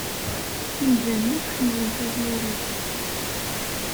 Imdanen akk ḥemmlen taẓuri.